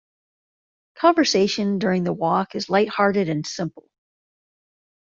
Conversation during the walk is light-hearted and simple.